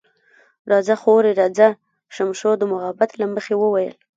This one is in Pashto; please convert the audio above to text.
راځه خورې، راځه، شمشو د محبت له مخې وویل.